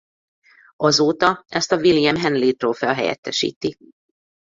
Azóta ezt a William Hanley-trófea helyettesíti.